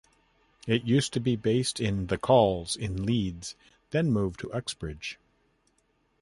It used to be based in "The Calls" in Leeds, then moved to Uxbridge.